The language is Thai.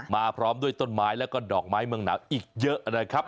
พร้อมด้วยต้นไม้แล้วก็ดอกไม้เมืองหนาวอีกเยอะนะครับ